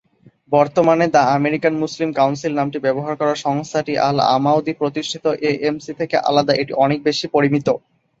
বর্তমানে "the American Muslim Council" নামটি ব্যবহার করা সংস্থাটি আল-আমাউদী প্রতিষ্ঠিত এএমসি থেকে আলাদা; এটি অনেক বেশি পরিমিত।